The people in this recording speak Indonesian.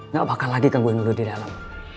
gak bakal lagi kaguin lo di dalam